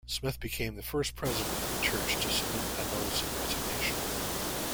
Smith became the first president of the church to submit a notice of resignation.